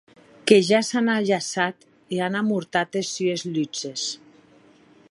Que ja s’an ajaçat e an amortat es sues lutzes.